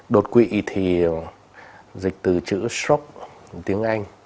đột quỵ thì dịch từ chữ stroke tiếng anh